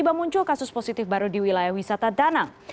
dan ada kasus positif baru di wilayah wisata tanang